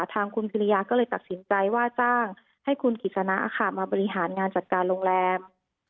ทางคุณพิริยาก็เลยตัดสินใจว่าจ้างให้คุณกิจสนะมาบริหารงานจัดการโรงแรม